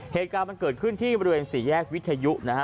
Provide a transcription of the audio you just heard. เหตุการณ์มันเกิดขึ้นที่บริเวณสี่แยกวิทยุนะฮะ